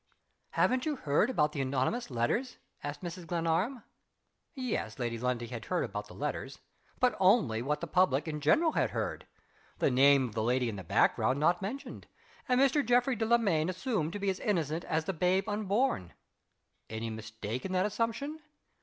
"Haven't you heard about the anonymous letters?" asked Mrs. Glenarm. Yes. Lady Lundie had heard about the letters. But only what the public in general had heard. The name of the lady in the background not mentioned; and Mr. Geoffrey Delamayn assumed to be as innocent as the babe unborn. Any mistake in that assumption?